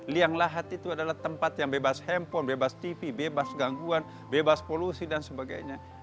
liang lahat itu adalah tempat yang bebas handphone bebas tv bebas gangguan bebas polusi dan sebagainya